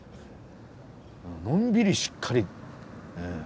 のんびりしっかり。